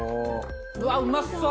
うわっうまそっ！